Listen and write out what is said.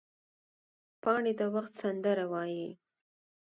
پاڼې د وخت سندره وایي